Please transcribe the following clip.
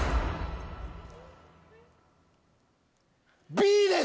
Ｂです‼